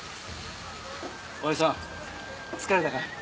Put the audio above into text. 親父さん疲れたかい？